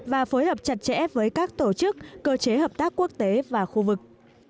và phối hợp chặt chẽ với các tổ chức cơ chế hợp tác quốc tế và khu vực